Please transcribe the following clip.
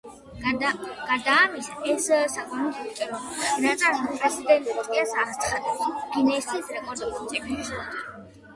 გარდა ამისა, ეს საკონდიტრო ნაწარმი პრეტენზიას აცხადებს გინესის რეკორდების წიგნში შესასვლელად.